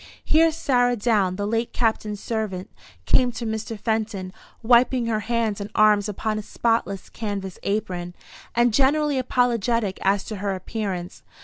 Here Sarah Down, the late Captain's servant, came to Mr. Fenton, wiping her hands and arms upon a spotless canvas apron, and generally apologetic as to her appearance.